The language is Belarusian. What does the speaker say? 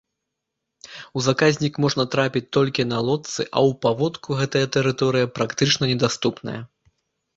У заказнік можна трапіць толькі на лодцы, а ў паводку гэтая тэрыторыя практычна недаступная.